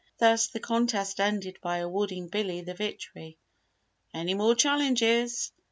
Thus the contest ended by awarding Billy the victory. "Any more challenges?"